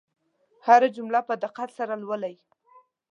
هره جمله په دقت سره لولئ.